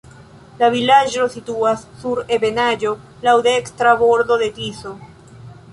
La vilaĝo situas sur ebenaĵo, laŭ dekstra bordo de Tiso.